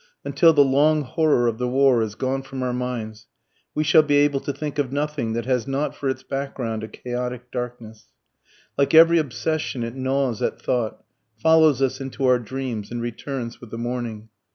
Until the long horror of the war is gone from our minds, we shall be able to think of nothing that has not for its background a chaotic darkness. Like every obsession, it gnaws at thought, follows us into our dreams and returns with the morning.